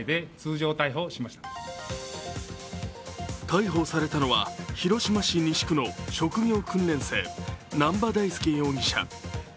逮捕されたのは広島市西区の職業訓練生・南波大祐容疑者。